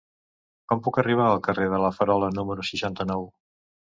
Com puc arribar al carrer de La Farola número seixanta-nou?